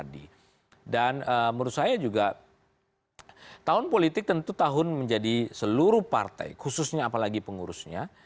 dan menurut saya juga tahun politik tentu tahun menjadi seluruh partai khususnya apalagi pengurusnya